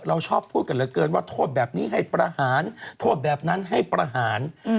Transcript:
เราชอบพูดกันเหลือเกินว่าโทษแบบนี้ให้ประหารโทษแบบนั้นให้ประหาร